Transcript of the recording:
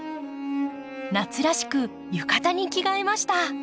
夏らしく浴衣に着替えました。